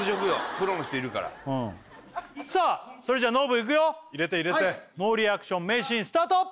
プロの人いるからさあそれじゃあノブいくよ入れて入れてノーリアクション名シーンスタート！